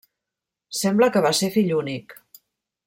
Sembla que va ser fill únic.